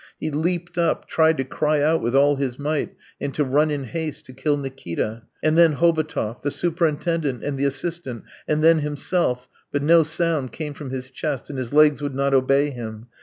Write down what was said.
He leaped up, tried to cry out with all his might, and to run in haste to kill Nikita, and then Hobotov, the superintendent and the assistant, and then himself; but no sound came from his chest, and his legs would not obey him.